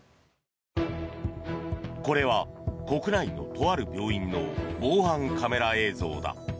これは国内のとある病院の防犯カメラ映像だ。